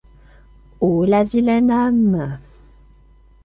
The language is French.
Oh! la vilaine âme !